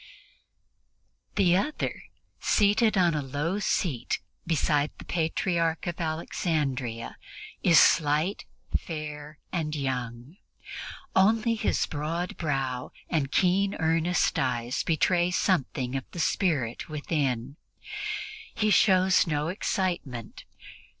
The other, seated on a low seat beside the Patriarch of Alexandria, is slight, fair and young; only his broad brow and keen, earnest eyes betray something of the spirit within; he shows no excitement.